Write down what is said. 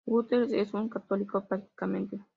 Guterres es un católico practicante.